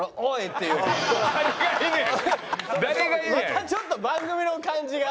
またちょっと番組の感じが。